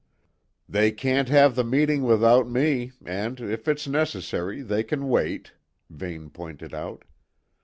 "They can't have the meeting without me, and, if it's necessary, they can wait," Vane pointed out.